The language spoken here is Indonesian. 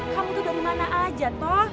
kamu tuh dari mana aja toh